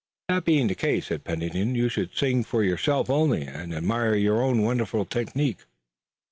"That being the case," said Pennington, "you should sing for yourself only and admire your own wonderful technique."